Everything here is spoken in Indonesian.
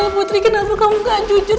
putri kenapa kamu gak jujur